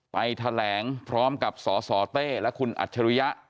ไปแถลงพร้อมกับสสเต้และคุณอัจฉริยะ